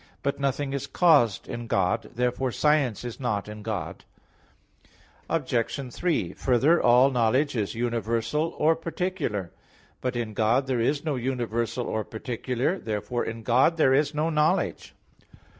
But nothing is caused in God; therefore science is not in God. Obj. 3: Further, all knowledge is universal, or particular. But in God there is no universal or particular (Q. 3, A. 5). Therefore in God there is not knowledge.